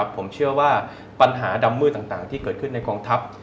ผมเชื่อว่าปัญหาดำมืดต่างที่เกิดขึ้นในกองทัพ